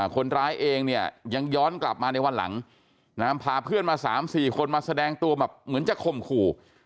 คนร้ายเองเนี่ยยังย้อนกลับมาในวันหลังพาเพื่อนมา๓๔คนมาแสดงตัวแบบเหมือนจะข่มขู่